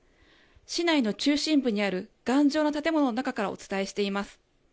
市内の中心部にある頑丈な建物の中からお伝えしています。